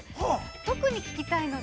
特に聞きたいので。